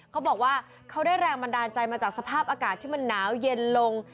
เขาบอกว่าเขาได้แรงบันดาลใจมาจากสภาพอากาศที่มันหนาวเย็นลง